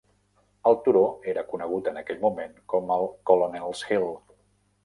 El turó era conegut en aquell moment com el "Colonel's Hill".